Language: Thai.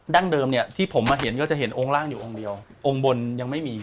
เดิมเนี่ยที่ผมมาเห็นก็จะเห็นองค์ร่างอยู่องค์เดียวองค์บนยังไม่มี